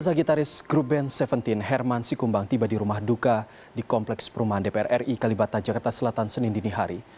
jenazah gitaris grup band tujuh belas herman sikumbang tiba di rumah duka di kompleks perumahan dpr ri kalibata jakarta selatan senin dinihari